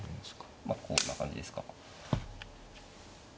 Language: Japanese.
まあこんな感じですか。